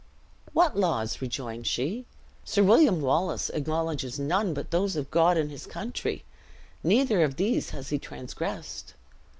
"What laws?" rejoined she; "Sir William Wallace acknowledges none but those of God and his country. Neither of these has he transgressed."